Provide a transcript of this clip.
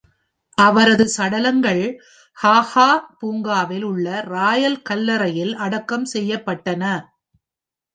அவரது சடலங்கள் ஹாகா பூங்காவில் உள்ள ராயல் கல்லறையில் அடக்கம் செய்யப்பட்டன.